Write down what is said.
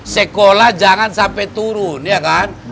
sekolah jangan sampai turun ya kan